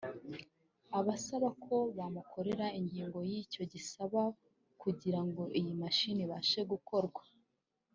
abasaba ko bamukorera inyigo y’ icyo bisaba kugira ngo iyi mashini ibashe gukorwa